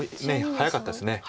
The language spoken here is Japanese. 早かったです。